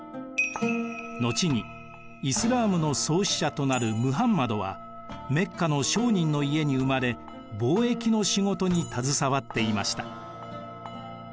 後にイスラームの創始者となるムハンマドはメッカの商人の家に生まれ貿易の仕事に携わっていました。